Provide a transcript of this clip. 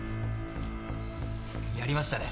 やりましたね！